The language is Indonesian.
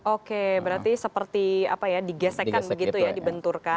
oke berarti seperti apa ya digesekkan begitu ya dibenturkan